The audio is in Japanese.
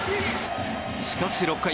しかし、６回。